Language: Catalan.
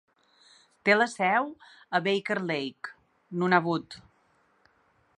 Té la seu a Baker Lake (Nunavut).